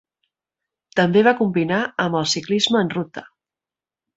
També va combinar amb el ciclisme en ruta.